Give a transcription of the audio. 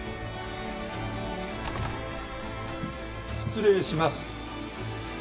失礼します。